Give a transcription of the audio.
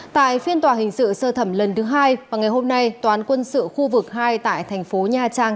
tại phiên tòa hình sự sơ thẩm lần thứ hai vào ngày hôm nay toán quân sự khu vực hai tại thành phố nha trang